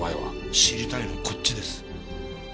知りたいのはこっちです。